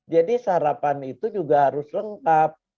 jadi sarapan itu juga harus lengkap